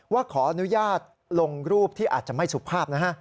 ว่าขออนุญาตลงรูปที่อาจจะไม่สุภาพนะฮะ